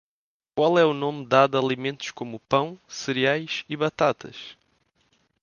Qual é o nome dado a alimentos como pão, cereais e batatas?